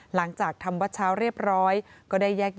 หลังจากธรรมวัดเช้าเรียบร้อย